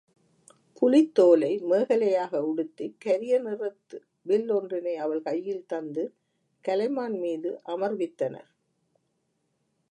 புலித்தோலை மேகலையாக உடுத்திக் கரிய நிறத்து வில் ஒன்றினை அவள் கையில் தந்து கலைமான் மீது அமர்வித்தனர்.